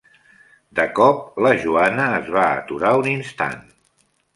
De cop, la Joana es va aturar un instant.